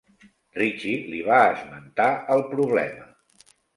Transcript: Ritchie li va esmentar el problema.